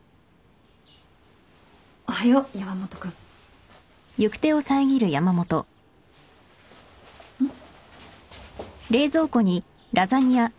おはよう山本君。んっ？